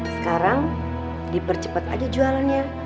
sekarang dipercepet aja jualannya